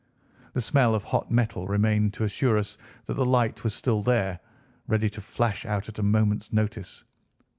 The smell of hot metal remained to assure us that the light was still there, ready to flash out at a moment's notice.